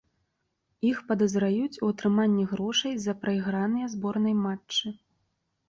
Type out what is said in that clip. Іх падазраюць у атрыманні грошай за прайграныя зборнай матчы.